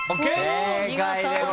正解です。